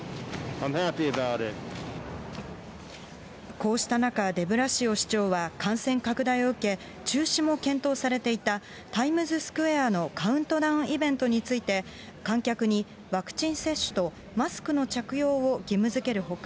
こうした中、デブラシオ市長は、感染拡大を受け、中止も検討されていたタイムズスクエアのカウントダウンイベントについて、観客にワクチン接種とマスクの着用を義務づけるほか、